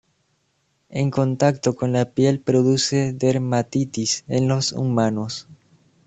En contacto con la piel produce dermatitis en los humanos.